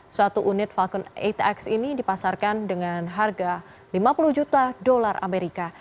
suatu unit falcon delapan x ini dipasarkan dengan harga lima puluh juta dolar amerika